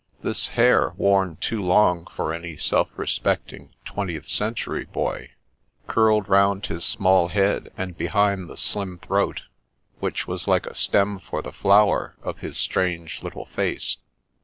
This hair, worn too long for any self respecting, twentieth century boy, curled round his small head and behind the slim throat, which was like a stem for the flower of his strange little face.